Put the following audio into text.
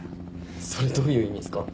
それどういう意味っすか？